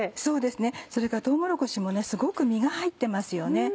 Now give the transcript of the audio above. それからとうもろこしもすごく実が入ってますよね。